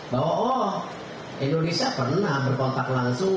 bahwa indonesia pernah berkontak langsung